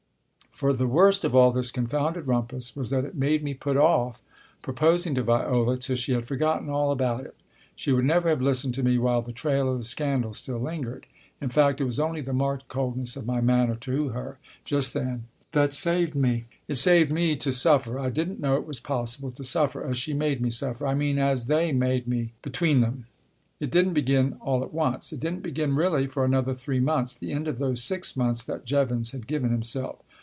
For the worst of all this confounded rumpus was that it made me put off proposing to Viola till she had forgotten all about it. She would never have listened to me while the trail of the scandal still lingered. In fact, it was only the marked coldness of my manner to her just then that saved me. It saved me to suffer. I didn't know it was possible to suffer as she made me suffer I mean as they made me, between them. It didn't begin all at once. It didn't begin, really, for another three months, the end of those six months that Jevons had given himself.